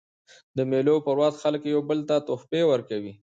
د مېلو پر وخت خلک یو بل ته تحفې ورکوي.